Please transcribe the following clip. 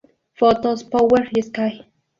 Fotos Power y Sky